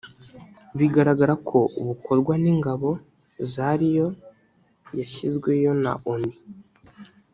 bigaragara ko bukorwa n’ingabo zariyo yashyizweyo na onu